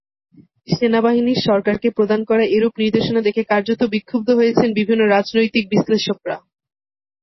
সেনাবাহিনীর সরকারকে প্রদান করা এরূপ নির্দেশনা দেখে কার্যত বিক্ষুব্ধ হয়েছেন বিভিন্ন রাজনৈতিক বিশ্লেষকরা।